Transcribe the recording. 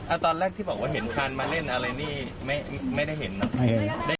อ่ะตอนแรกที่บอกเห็นคลานมาเล่นอะไรนี้ไม่ได้เห็นอันสอง